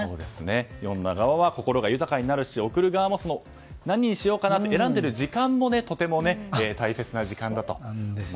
読んだ側は心が豊かになるし贈る側も何にしようかなと選んでいる時間も大切な時間だと。